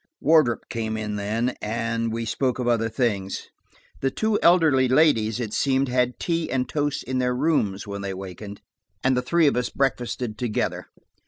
Wardrop came in then, and we spoke of other things. The two elderly ladies it seemed had tea and toast in their rooms when they wakened, and the three of us breakfasted together.